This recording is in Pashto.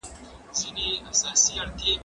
خبري د خلکو له خوا کيږي،